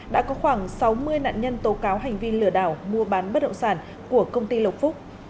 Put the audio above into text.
đã có khoảng sáu mươi nạn nhân tố cáo hành vi lừa đảo mua bán bất động sản của công ty lộc phúc